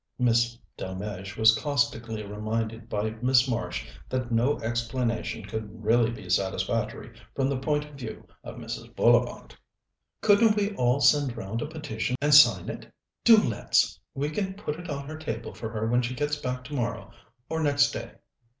Miss Delmege was caustically reminded by Miss Marsh that no explanation could really be satisfactory from the point of view of Mrs. Bullivant. "Couldn't we all send round a petition, and sign it? Do let's. We can put it on her table for when she gets back tomorrow or next day."